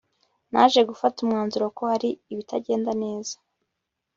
Naje gufata umwanzuro ko hari ibitagenda neza